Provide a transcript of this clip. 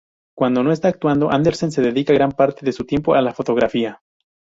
Cuando no está actuando, Andersen dedica gran parte de su tiempo a la fotografía.